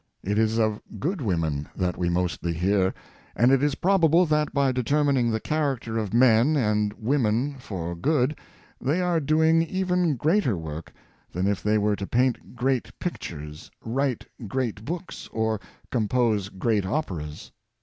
It is of good women that we mostly hear; and it is probable that, by determining the character of men and women for good, they are doing even greater work than if they were to paint great pictures, write great books, or compose great operas.